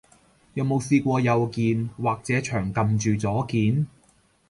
有冇試過右鍵，或者長撳住左鍵？